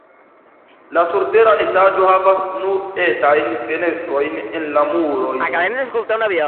La surtera etaĝo havas nur etajn fenestrojn en la muroj.